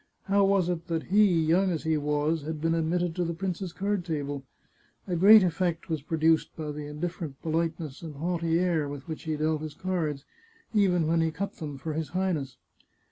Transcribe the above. How was it that he, young as he was, had been admitted to the prince's card table? A g^eat eflfect was produced by the indifferent po liteness and haughty air with which he dealt his cards, even when he cut them for his Highness.